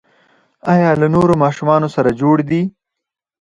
ایا له نورو ماشومانو سره جوړ دي؟